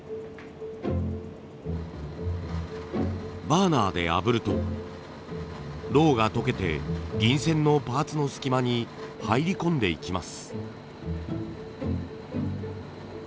バーナーであぶるとロウが溶けて銀線のパーツの隙間に入り込んでいきます。